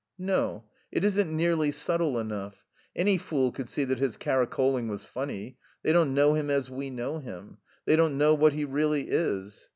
"No. It isn't nearly subtle enough. Any fool could see that his caracoling was funny. They don't know him as we know him. They don't know what he really is."